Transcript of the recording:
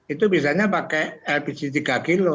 itu biasanya pakai lpg tiga kg